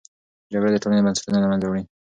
جګړه د ټولنې بنسټونه له منځه وړي.